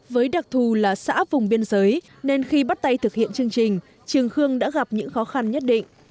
với đặc thù là xã vùng biên giới nên khi bắt tay thực hiện chương trình trường khương đã gặp những khó khăn nhất định